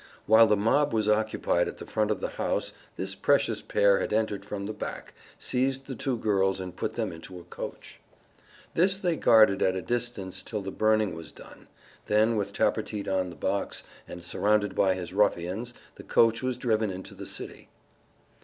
While the mob was occupied at the front of the house this precious pair had entered from the back, seized the two girls and put them into a coach. This they guarded at a distance till the burning was done; then, with Tappertit on the box and surrounded by his ruffians, the coach was driven into the city.